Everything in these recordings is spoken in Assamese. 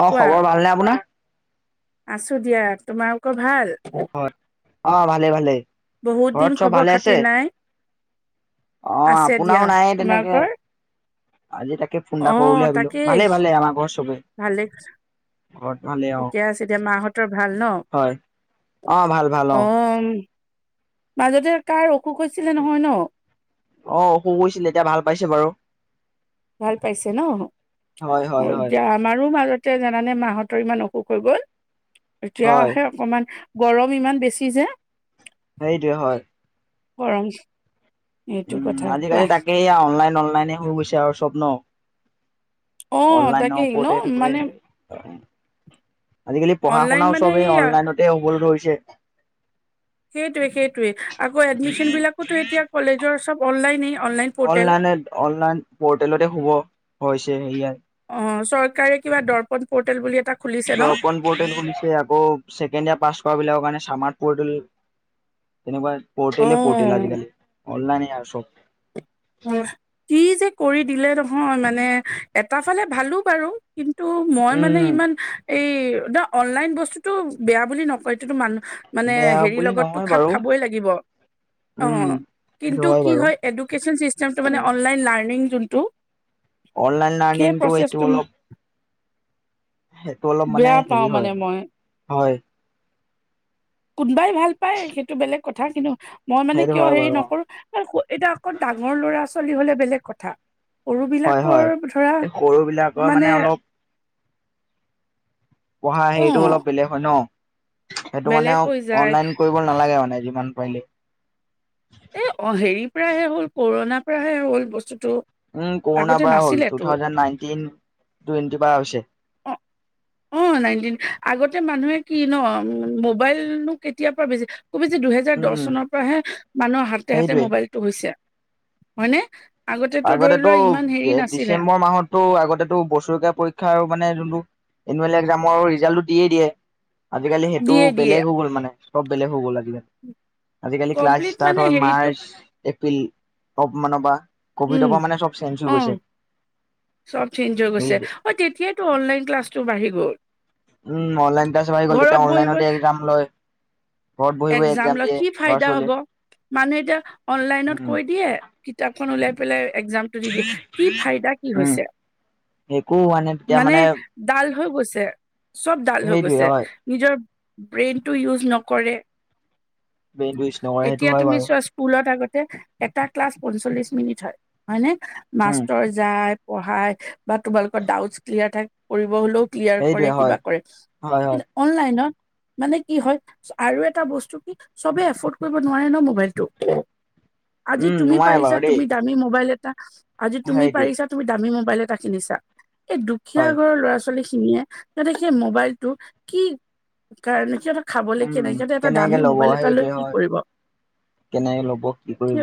অ খবৰ ভালনে আপোনাৰ আছো দিয়া। তোমালোকৰ ভাল? অ ভালে ভালে বহুত ঘৰত দিন চব খবৰ ভালে আছে খাতি নাই? অ আছে আপোনাৰও দিয়া। নাই তেনেকে তোমালোকৰ? আজি তাকে ফোন এটা অ কৰো বুলি ভাবিলো, তাকেই ভালে ভালে আমাৰ ঘৰৰ ভালে চবেই। ঘৰত ভালেই আও, ঠিকে আছে দিয়া মাহঁতৰ ভাল ন অ' হয় অ' ভাল ভাল অ'। অ'ম। মাজতে কাৰ অসুখ হৈছিলে নহয় ন? অ' অসুখ হৈছিল এতিয়া ভাল পাইছে বাৰু। ভাল পাইছে ন'? হয় হয় হয় এতিয়া আমাৰো মাজতে জানানে? মাহঁতৰ ইমান অসুখ হৈ গ'ল। হয় এতিয়াহে অকমান গৰম ইমান বেছি যে। সেইটোৱে হয়। গৰম। এইটো কথা উম' কোৱা আজিকালি তাকে এইয়া অনলাইন অনলাইনে হৈ গৈছে আৰু চব ন। অ অনলাইনৰ তাকেই ন ওপৰতে থাকে, মানে আজিকালি পঢ়া অনলাইন শুনাও মানে চবেই এইয়া অনলাইনত তে উপলব্ধ [unintelligible] হৈছে। সেইটোয়ে-সেইটোয়ে আকৌ এডমিচন বিলাকোতো এতিয়া কলেজৰ চব অনলাইনে অনলাইন। পৰ্টেল অনলাইনে, অনলাইন পৰ্টেলতে হ'ব হৈছে সেইয়া। অ' চৰকাৰে কিবা দৰ্পন পৰ্টেল বুলি এটা খুলিছে ন দৰ্পন পৰ্টেল খুলিছে আকৌ ছেকেণ্ড ইয়াৰ পাছ কৰা বিলাকৰ কাৰণে চামাৰ্ট পৰ্টেল তেনেকুৱা অ পৰ্টেললে পৰ্টেল আজিকালি অনলাইনে আৰু চব। কোৱা, কি যে কৰি দিলে নহয় মানে এটা ফালে ভালো বাৰু, কিন্তু ত মই মানে ইমান উম এই দা অনলাইন বস্তুটো বেয়া বুলি নকয়, এইটোতো মানুহ মানে বেয়া হেৰি বুলি লগতো নহয় খাপ বাৰু খাবই লাগিব, অ' উম সেইটো কিন্তু কি বাৰু হয় এডুকেশ্বন চিষ্টেমটো মানে অনলাইন লাৰ্ণিং যোনটো অনলাইন সেই লাৰ্ণিংটো প্ৰচেছটো এইটো অলপ সেইটো অলপ মানে বেয়া পাওঁ হেৰি মানে হয়, মই হয়। কোনোবাই ভাল পায় সেইটো বেলেগ কথা, কিন্তু মই মানে সেইটো কিয় হয় হেৰি বাৰু অ নকৰোঁ এতিয়া অকণ ডাঙৰ ল'ৰা-ছোৱালী হ'লে বেলেগ কথা। সৰু হয় হয় বিলাকৰ ধৰা এই সৰু বিলাকৰ মানে অলপ পঢ়া অ হেৰিটো অলপ বেলেগ হয় ন। সেইটো বেলেগ মানে হৈ যায় অনলাইন কৰিব নালাগে মানে যিমান পাৰিলে। এ অ' হেৰিৰ পৰাহে হ'ল কৰোণাৰ পৰাহে হ'ল বস্তুটো। উম' কৰোণাৰ আগতে পৰা হ'ল টু নাছিলেতো থাউজেণ্ড নাইনটিন টুৱেণ্টিৰ পৰাই হৈছে। অ অ' নাইনটিন, আগতে মানুহে কি ন মোবাইলনো কেতিয়াৰ পৰা বেছি খুব বেছি দুহেজাৰ দহ উম চনৰ পৰাহে মানুহৰ হাতে-হাতে সেইটোৱে মোবাইলটো হৈছে, হয়নে? ধৰি আগতেতো লোৱা ইমান হেৰি নাছিলে ডিচেম্বৰ মাহত তো আগতেতো বছৰেকীয়া পৰীক্ষা আৰু মানে যোনটো এনুৱেল এক্জামৰ ৰিজাল্টটো দি দিয়ে। আজিকালি সেইটো দিয়ে দিয়ে বেলেগ হৈ গ'ল মানে, চব বেলেগ হৈ গ'ল আজিকালি। আজিকালি ক্লাছ কমপ্লিট ষ্টাৰ্ট মানে হয় হেৰিটো মাৰ্চ, এপ্ৰিলৰ মানৰ পৰা। ক'ভিডৰ উম পৰা মানে চব চেঞ্জ অ হৈ গৈছে। চব চেঞ্জ হৈ গৈছে। অ' তেতিয়াই টো অনলাইন ক্লাছটো বাঢ়ি গ'ল। উম' অনলাইন ক্লাছ বাঢ়ি গ'ল, তেতিয়া ঘৰত বহিব অনলাইনতে এক্সাম লয়। ঘৰত বহি বহি একজাম এক্সাম লৈ দিয়ে কি ল'ৰা ফাইদা হ'ব, ছোৱালীয়ে। মানে এতিয়া অনলাইনত উম কৈ দিয়ে। কিতাপখন ওলাই পেলাই একজাম দি দিয়ে, কি ফাইদা? কি উম হৈছে? একো হোৱা নাই তেতিয়া মানে ডাল হৈ গৈছে, চব ডাল হৈ সেইটোৱে গৈছে, হয়। নিজৰ ব্ৰেইনতো ইউজ নকৰে। ব্ৰেইনটো ইউজ নকৰে সেইটো এতিয়া হয় তুমি বাৰু চোৱাচোন [unintelligible] স্কুলত আগতে এটা ক্লাছ পঞ্চল্লিছ মিনিট হয়, হয়নে? উম মাষ্টৰ যায়, পঢ়াই বা তোমালোকৰ ডাউট ক্লিয়াৰ থা কৰিব হ'লেও ক্লিয়াৰ কৰে, সেইটোৱে হয় কিবা কৰে। হয় হয় কিন্তু অনলাইনত মানে কি হয় আৰু এটা এটা বস্তু কি চবে এফৰ্ড কৰিব নোৱাৰে ন মোবাইলটো। আজি উম তুমি নোৱাৰে পাৰিছা, বাৰু দেই। তুমি দা তুমি মোবাইল এটা, আজি তুমি সেইটোৱে পাৰিছা, তুমি দামী মোবাইল এটা কিনিছা। এই দুখীয়া হয় ঘৰৰ ল'ৰা-ছোৱালীখিনী নিকিনিয়ে যাতে সেই মোবাইলটো কি কাৰণে সিহঁতৰ খাবলৈ কে উম নাই সিহঁতে এটা কেনেকে দামী ল'ব মোবাইল এটা লৈ সেইটোৱে কি হয়, কৰিব কেনেকে ল'ব, কি কৰিব?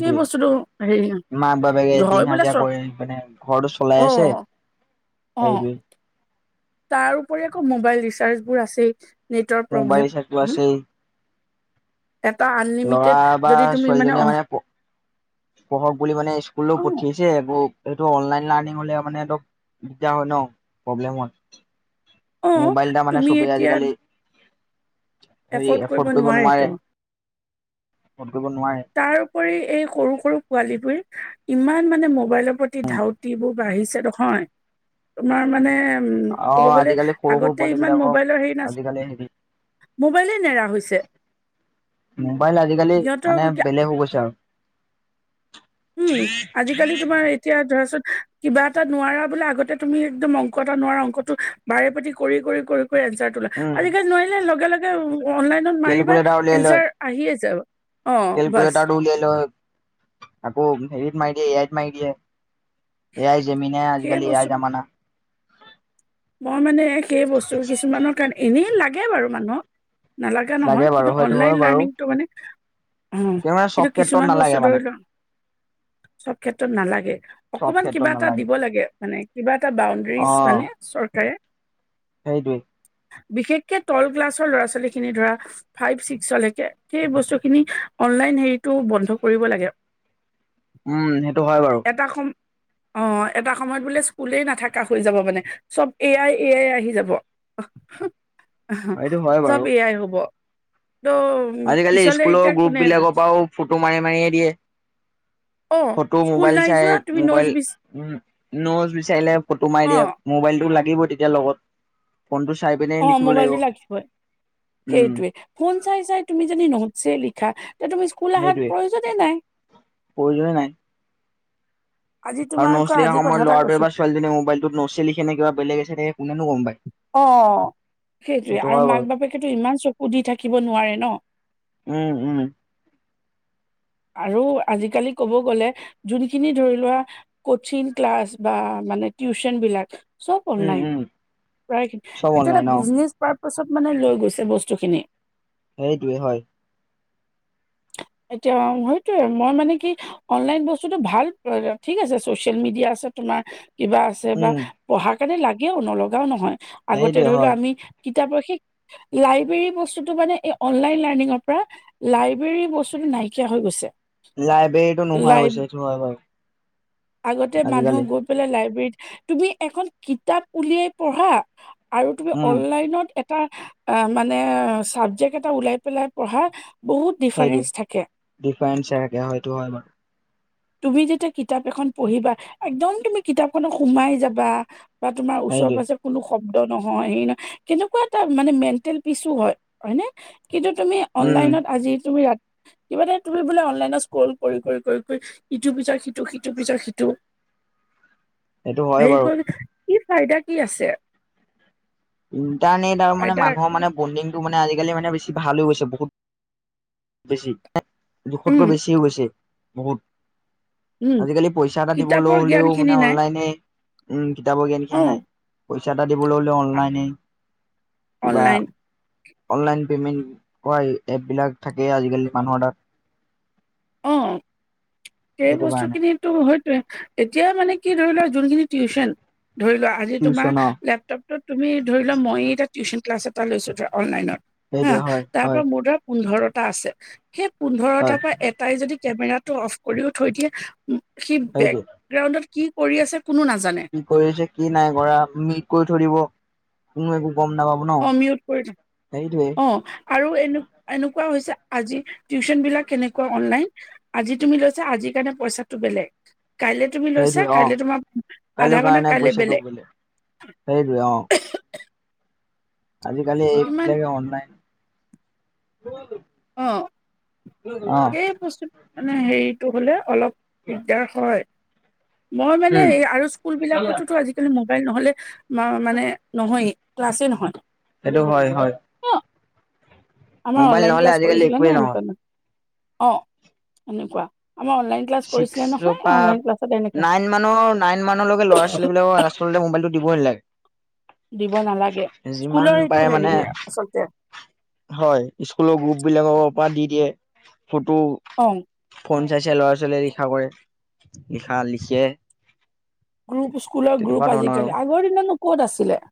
সেই বস্তুটো হেৰি মাক, বাপেকে হয় দিন বোলে হাজিৰা চ কৰি মানে ঘৰটো চলাই আছে। অঁ! সেইটোৱে তাৰ‌উপৰিটো আকৌ মোবাইল ৰিচাৰ্জবোৰ আছে নেটৱৰ্কৰ মোবাইল ৰিচাৰ্জটো প্ৰব্লেম। আছেই এটা আন ল'ৰা বা ছোৱালীজনীয়ে মানে প পঢ়ক বুলি মানে স্কুলও অ পঠিয়াছ যে এইবোৰ এইটো অনলাইন লাৰ্ণিং হ'লে মানে দিগদাৰ হয় ন, প্ৰব্লেম হয়। অ', মোবাইল এটা মানে তুমি চবেই এতিয়া আজিকালি হেৰি এফৰ্ড কৰিব নোৱাৰে। [unintelligible] কৰিব নোৱাৰে। তাৰ উপৰি এই সৰু-সৰু পোৱালীবোৰ ইমান মানে মোবাইলৰ প্ৰতি ধাউত ধাউতিবোৰ বাঢ়িছে নহয় তোমাৰ মানে উম! অ ক'ব গ'লে আজিকালি সৰু সৰু আগতে পোৱালী ইমান বিলাকক মোবাইলৰ হেৰি নাছিল। আজিকালি হেৰি মোবাইলেই নেৰা হৈছে। মোবাইল আজিকালি সিহঁতৰ মানে বেলেগ হৈ গৈছে আৰু। উম! আজিকালি তোমাৰ এতিয়া ধৰা চোন কিবা এটা নোৱাৰা বোলে আগতে তুমি একদম অংক এটা নোৱাৰা অংকটো বাৰে প্ৰতি কৰি-কৰি-কৰি এনচাৰ ওলোৱা। উম আজিকালি নোৱাৰিলে লগে-লগে অনলাইনত মাৰিবা কেলকুলেটাৰ উলিয়াই লয় এনচাৰ আহিয়েই যায়। কেলকুলেটাৰটো উলিয়াই লৈ আকৌ হেৰি মাৰিত দিয়ে এ আই মাৰি দিয়ে। এআই জেমিনে সেই আজিকালি বস্তুটো এআই জামানা। মই মানে সেই বস্তু কিছুমানৰ কাৰণে এনেই লাগে বাৰু মানুহক। নালাগা নহয় লাগে বাৰু কিন্তু সেইটো হয় অনলাইন বাৰু লাৰ্ণিংটো মানে উম! মানে চব কিন্তু ক্ষেত্ৰত কিছুমান বস্তু নালাগে মানে ধৰি লোৱা চব ক্ষেত্ৰত নালাগে। চব অকমান ক্ষেত্ৰত কিবা এটা নালাগে দিব লাগে মানে কিবা এটা বাউণ্ড ফিজ মানে চৰকাৰে। সেইটোৱেই। বিশেষকে তল ক্লাছৰ ল'ৰা-ছোৱালীখিনি ধৰা। ফাইভ, ছিক্সলৈকে সেই বস্তুখিনি অনলাইন হেৰিটো বন্ধ কৰিব লাগে। উম! সেইটো হয় বাৰু। এটা সময় অঁ এটা সময়ত বোলে স্কুলেই নাথাকা হৈ যাব মানে। চব এআই-এআই আহি যাব। সেইটো [unintelligible] হয় চব বাৰু এআই হ'ব। ত' আজিকালি পিছলে স্কুলৰ এতিয়া কোনে গ্ৰুপবিলাকৰ পৰাও ফটো মাৰি-মাৰিহে দিয়ে। অ', ফটো স্কুল মোবাইল নাই চাই যোৱা তুমি নোটছ মোবাইল বিচ উম নোটজ বিচাৰিলে ফটো মাৰি দিয়ে। অ', মোবাইলটো লাগিব তেতিয়া লগত। ফোনটো চাই পিনে অঁ! লিখিব লাগিব মোবাইলটো লাগিবই উম সেইটোৱেই। ফোন চাই-চাই তুমি যদি নোটছে লিখা তেতিয়া তুমি স্কুল অহাৰ প্ৰয়োজনেই নাই। প্ৰয়োজনেই নাই। আজি আৰু তোমাৰ ক নোটছ লিখা আজি কথা সময়ত এটা ল'ৰাটোৱে কৈছো বা ছোৱালীজনীয়ে মবাইলটো নোটছ লিখে নে কিবা বেলেগ লিখে নে কোনেনো গম পায়? অঁ! সেইটোৱে। সেইটো আৰু হয় বাৰু মাক-বাপেকেতো ইমান চকু দি থাকিব নোৱাৰে ন। উম-উম! আৰু আজিকালি ক'ব গ'লে যোনখিনি ধৰি লোৱা কচিং ক্লাছ বা মানে টিউচন বিলাক চব উম অনলাইন, উম প্ৰায় চব এইটো এটা অনলাইন অ বিজনেছ পাৰপচত মানে লৈ গৈছে বস্তুখিনি। সেইটোৱে হয়। এতিয়া সেইটোৱে মই মানে কি অনলাইন বস্তুটো ভাল বাৰু, ঠিক আছে চচিয়েল মিডিয়া আছে তোমাৰ কিবা আছে যে বা উম পঢ়াৰ কাৰণে লাগেও নলগাও নহয় আগতে সেইটোৱে ধৰিলোৱা হয় আমি কিতাপৰ সেই লাইব্ৰেৰী বস্তুটো মানে এই অনলাইন লাৰ্ণিঙৰ পৰা লাই ব্ৰেৰী বস্তুটো নাইকিয়া হৈ গৈছে। লাইব্ৰেৰীটো নোহোৱা হৈ লাই গৈছে এইটো হয় বাৰু। আগতে মানুহ আজিকালি গৈ পেলাই লাইব্ৰেৰীত, তুমি এখন কিতাপ উলিয়াই পঢ়া আৰু তুমি উম অনলাইনত এত এটা আ মানে চাবজেক্ট এটা ওলাই পেলাই পঢ়া বহুত ডিফাৰেন্ঞ্চ থাকে। ডিফাৰেঞ্চে চাহেকে হয় এইটো হয় বাৰু। তুমি যেতিয়া কিতাপ এখন পঢ়িবা একদম তুমি কিতাপখনত সোমাই যাবা বা তোমাৰ ওচৰ সেইটোৱে পাজে কোনো শব্দ নহয় হে নহয় তেনকুৱা এটা মানে মেণ্টেল পিচো হয়। হয়নে? কিন্তু তুমি উম অনলাইনত আজি তুমি ৰা কিবা এটা তুমি বোলে অনলাইনত স্কল কৰি কৰি কৰি কৰি ইটো পিছত সিটো সিটো পিছত সিটো সেইটো হয় বাৰু সেইবোৰ কি ফাইদা কি আছে? ইণ্টাৰনেট আৰু মানে ফাইদা মানুহৰ মানে বণ্ডিংটো মানে আজিকালি মানে বেছি ভাল হৈ গৈছে বহুত বেছি, উম জুখতকৈ বেছি হৈ গৈছে বহুত। উম আজিকালি পইচা এটা দিবলৈ কিতাপৰ জ্ঞান হলেও খিনি মানে নাই অনলাইনে। উম কিতাপৰ অ জ্ঞানখিনি নাই, পইচা এটা দিবলৈ হলেও অনলাইনেই। বা অনলাইন অনলাইন পেমেণ্ট কৰা এপবিলাক থাকেই আজিকালি মানুহৰ তাত অঁ সেই সেইটো কাৰণে বস্তুখিনিত টো হয়তোৱে, এতিয়া মানে কি ধৰি লোৱা যোনখিনি টিউচন, ধৰি লোৱা আজি তোমাৰ টিউচন অ লেপ তাৰপিছত তুমি ধৰি লোৱা মইয়ে এটা টিউচন ক্লাছ এটা লৈছো ধৰা অনলাইনত হা, সেইটোৱে হয় তাৰ হয় পৰা মোৰ ধৰা পোন্ধৰটা আছে, সেই হয় পোন্ধৰটাৰ পৰা এটাই যদি কেমেৰাটো অফ কৰিও থৈ দিয়ে সি সেইটোৱে বেকগ্ৰাউণ্ডত কি কৰি আছে কোনো নাজানে। কি কৰি আছে কি নাই কৰা, মিউত কৰি থৈ দিব কোনো একো গম নাপাব ন অ মিউট কৰি সেইটোৱে অঁ। আৰু এনে এনেকুৱা হৈছে আজি টিউচন বিলাক এনেকুৱা অনলাইন আজি তুমি লৈছা আজিৰ কাৰণে পইচাটো বেলেগ, কাইলে তুমি সেইটোৱে লৈছা অ কাইলে তোমাৰ কাইলৈ আধা ঘন্টা কাৰণে কাইলে পইচাটো বেলেগ। বোলে সেইটোৱে আজি কালি এপ কিমান বিলাকে অনলাইন অঁ অ সেই বস্তু মানে হেৰিটো হ'লে অলপ দিগদাৰ হয়। মই মানে উম হেৰি আৰু স্কুল বিলাকতোতো আজিকালি মোবাইল নহলে মা মানে নহয়েই ক্লাছে নহয়। সেইটো হয় হয়। অ আমাৰ মোবাইল অনলাইন নহ'লে ক্লাছ আজিকালি কৰিছিলে নে একোৱেই নহয় এনেকুৱা নাই, অঁ এনেকুৱা আমাৰ অনলাইন ক্লাছ কৰিছিলে ছিক্সৰ নহয় পৰা অনলাইন ক্লাছত এনেকে। নাইন মানৰ নাইন মানৰ লৈকে ল'ৰা ছোৱালী বিলাকক আচলতে মোবাইলটো দিবই নালাগে। দিব নালাগে যিমান স্কুলৰ সেইটো পাৰে মানে হেৰিয়ে আচলতে। হয় স্কুলৰ গ্ৰুপ বিলাকৰ পৰা দি দিয়ে, ফটো অঁ। ফোন চাই চাই ল'ৰা ছোৱালীয়ে লিখা কৰে, লিখা লিখে। গ্ৰুপ স্কুলৰ তেনেকুৱা গ্ৰুপ ধৰণৰ আৰু। আজিকালি। আগৰ দিনতনো ক'ত আছিলে।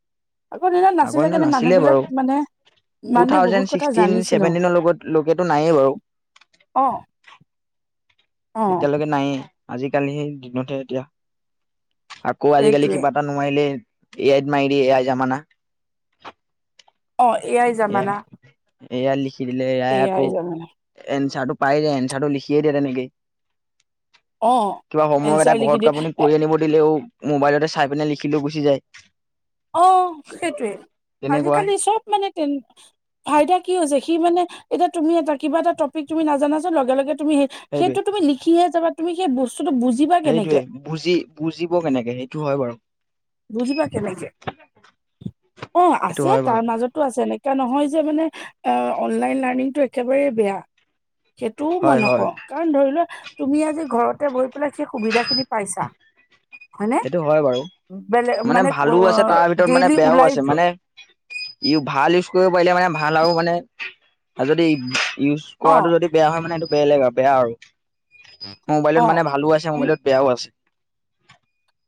আগৰ দিনত আগৰ নাছিলে দিনত কেনে বাৰু মানুহবিলাক মানে। টু মানুহে থাউজেণ্ড বহুত কথা ছিক্সটিন, জানিছিলো ছেভেন্টিন লগত লোকেতো নায়েই বাও। অঁ। এতিয়ালৈকে নায়েই। আজিকালি সেই দিনতহে এতিয়া। আকৌ আজিকালি এইটোৱে কিবা এটা নোৱাইলে এ আইত মাৰি দিয়ে। এ আই জামানা। অ, এ আই যামানা। এ আইত লিখি দিলে এ আই আকৌ জামেলা এনচাৰটো পাই যায়। এনচাৰটো লিখি দিয়ে তেনেকেই। অ কিবা হমৱৰ্ক এটা এনচাৰ লিখি দিয়ে ঘৰত আপুনি এ- কৰি আনিব দিলেও, মোবাইলতে চাই পিনে লিখিলৈ গুচি যায়। অ সেইটোৱে। তেনেকুৱা আজিকালি চব মানে তেন ফাইদা কি হৈছে। সি মানে এতিয়া তুমি এটা কিবা এটা টপিক তুমি নাজানাচোন লগে লগে তুমি সেই সেইটোৱে সেইটো তুমি লিখিহে যাবা। তুমি সেই বস্ সেইটোৱে, বুজি বুজিব কেনেকে? সেইটো হয় বাৰু। বুজিবা কেনেকে? অ সেইটো আছে, হয় বাৰু তাৰ মাজত টো আছে এনেকা নহয় যে মানে অ অনলাইন লাৰ্ণিংটো একেবাৰেই বেয়া। সেইটোও মই হয় হয় নকওঁ, কাৰণ ধৰি লোৱা তুমি আজি ঘৰতে বহি পেলাই সেই সুবিধা খিনি পাইছা? হয় নে? সেইটো হয় বাৰু। মানে ভালো আছে, তাৰ ভিতৰত মানে ডেইলি বেয়াও ওলাই আছে। যোৱা মানে ইউ ভাল ইউজ কৰিব পাৰিলে মানে ভাল। আও মানে যদি ইউজ অ কৰাটো যদি বেয়া হয় মানে এইটো বেলেগ আৰু বেয়া আৰু। অ মোবাইলত মানে ভালো আছে, মোবাইলত বেয়াও আছে।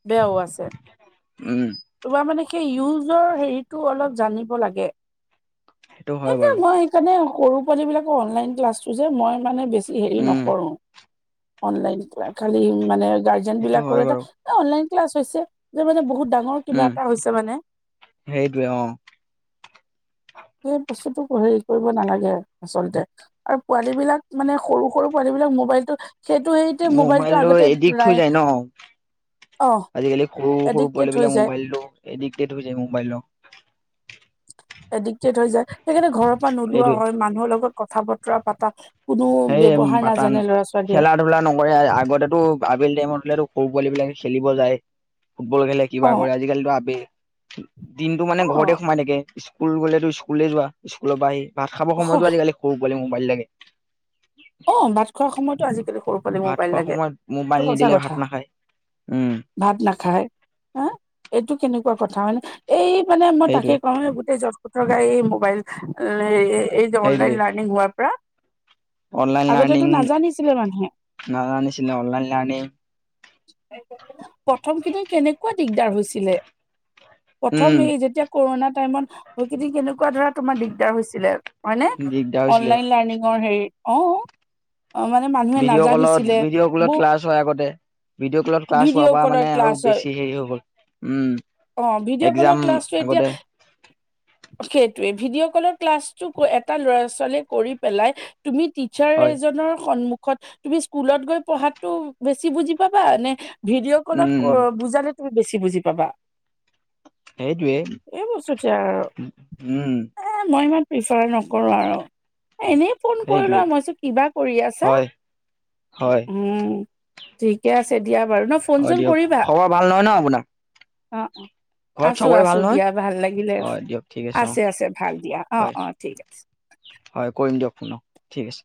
বেয়াও আছে। উম। তোমাৰ মানে সেই ইউজৰ হেৰিটো অলপ জানিব লাগে। সেইটো হ'য় বাৰু। মানে সৰু পোৱালী বিলাকৰ অনলাইন ক্লাছটো যে, মই মানে বেছি হেৰি উম নকৰোঁ। অনলাইন। [unintelligible] খালি মানে গাৰ্জেন সেইটো হয় বিলাকৰ এটা বাৰু এ অনলাইন ক্লাছ হৈছে, যে মানে বহুত ডাঙৰ কিবা উম এটা হৈছে মানে। সেইটোৱে, অ। সেই বস্তুটো হেৰি কৰিব নালাগে আচলতে। আৰু পোৱালী বিলাক মানে সৰু সৰু পোৱালী বিলাক মোবাইলটো সেইটো হেৰিতে মোবাইলটো আগতে এডিক্ট হৈ ৰাই যায় ন। অ আজিকালি সৰু সৰু এডিক্টেড পোৱালী হৈ বিলাক যায় মোবাইলটো এডিকটেড হৈ যায় মোবাইল। এডিক্টেড হৈ যায়। সেইকাণে ঘৰৰ পৰা নোলোৱা সেইটোৱে হয় মানুহৰ লগত কথা বতৰা পাতা কোনো সেই ব্যৱহাৰ পাতান নাজানে ল'ৰা ছোৱালীয়ে। [unintelligible] ধূলা নকৰে আগতে তো আবেলি টাইম-টো সৰু পোৱালি বিলাকে খেলিব যায়, ফুটবল খেলে। অ কিবা কৰে। আজিকালিতো আবে দিনটো অ মানে ঘৰতে সোমাই থাকে। স্কুল গলেতো, স্কুলে যোৱা। স্কুল পা আহি। ভাত খাব অ সময়তো আজিকালি সৰু পোৱালি মোবাইল লাগে। অ ভাত খোৱাৰ সময়তো আজিকালি সৰু পোৱালি ভাত মোবাইল খোৱা লাগে সময়ত এইটো মোবাইল সঁচা নিদিলে কথা ভাত নাখায়, উম। ভাত নাখায়। হা? এইটো কেনেকুৱা কথা মানে? এই মানে মই তাকে সেইটোৱে কওঁ গোটেই জট কথৰ গাড়ী মোবাইল [unintelligible] এই যে, অনলাইন সেইটোৱে লাৰ্ণিং হোৱাৰ পৰা। অনলাইন আগতেতো লাৰ্ণিং নাজানিছিলে মানুহে নাজানিছিলে। অনলাইন লাৰণিং প্ৰথম খিনি কেনেকুৱা দিগদাৰ হৈছিলে। প্ৰথম উম এই যেতিয়া কৰোণা টাইমত হয় [unintelligible] কেনে কোৱা ধৰা তোমাৰ দিগদাৰ হৈছিলে হয়নে? দিগদাৰ হৈছিলে অনলাইন লাৰ্নিংৰ হেৰি অ। মানে মানুহে ভিডিঅ' কলত নাজানিছিলে ভিডিঅ' কলত ব ক্লাছ হয় আগতে। ভিডিঅ' কলত ক্লাছ হোৱাৰ ভিডিঅ' পৰা কলৰ মানে ক্লাছ আৰু হয় বেছি হেৰি হৈ গ'ল। উম, অ ভিডিঅ' এক্জাম কলৰ ক্লাছটো এতিয়া আগতে সেইটোৱে ভিডিঅ' কলৰ ক্লাছটো ক এটা ল'ৰা- ছোৱালীয়ে কৰি পেলাই তুমি টিচাৰ হয় এজনৰ সন্মুখত তুমি স্কুলত গৈ পঢ়াটো বেছি বুজি পাবা নে ভিডিঅ' কলত উম, ক বুজালে তুমি বেছি বুজি পাবা? এই সেইটোৱে বস্তুতে আৰু উম উম। এ মই ইমান প্ৰিফাৰ নকৰো আৰু এ এনে ফোন কৰিলো সেইটোৱে মইছো কিবা কৰি আছা হয়, হয়, উম। ঠিকে আছে দিয়া বাৰু ন ফোন হয় চোন দিয়ক কৰিবা? খবৰ ভাল নহয় ন আপোনাৰ? অ অ। ঘৰত আছো চবৰে আছো ভাল নহয়? দিয়া ভাল লাগিলে, হয় দিয়ক ঠিক অ', আছে আছে ভাল দিয়া অ হয়, অ ঠিক আছে। হয় কৰিম দিয়ক ফোনক ঠিক আছে।